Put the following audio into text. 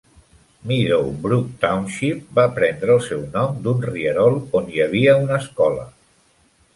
Meadow Brook Township va prendre el seu nom d'un rierol on hi havia una escola.